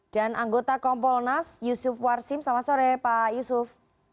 anggota kompolnas yusuf warsim selamat sore pak yusuf